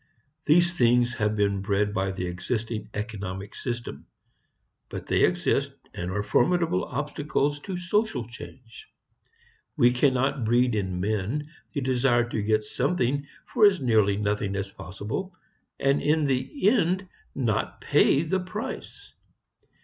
These things have been bred by the existing economic system. But they exist, and are formidable obstacles to social change. We cannot breed in men the desire to get something for as nearly nothing as possible and in the end not pay the price.